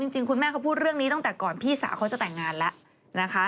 จริงคุณแม่เขาพูดเรื่องนี้ตั้งแต่ก่อนพี่สาวเขาจะแต่งงานแล้วนะคะ